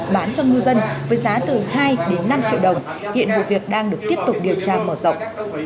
bán cho ngư dân với giá từ hai đến năm triệu đồng hiện vụ việc đang được tiếp tục điều tra mở rộng